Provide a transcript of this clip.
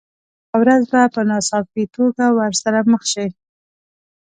یوه ورځ به په ناڅاپي توګه ورسره مخ شئ.